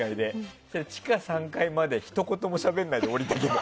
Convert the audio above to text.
その時地下３階までひと言もしゃべらないで降りたけど。